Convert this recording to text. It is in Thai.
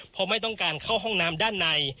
เพราะไม่ต้องการเข้าห้องน้ำด้านใน